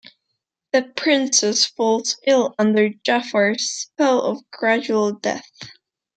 The Princess falls ill under Jaffar's spell of gradual death.